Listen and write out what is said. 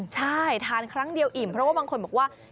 ใช่ทานครั้งเดียวอิ่มเพราะว่าบางคนบอกว่า